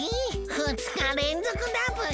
ふつかれんぞくだブヒ！